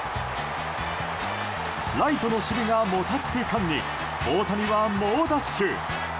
ライトの守備がもたつく間に大谷は猛ダッシュ！